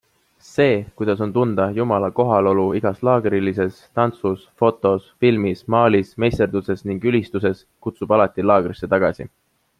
See, kuidas on tunda Jumala kohalolu igas laagrilises, tantsus, fotos, filmis, maalis, meisterduses ning ülistuses, kutsub alati laagrisse tagasi!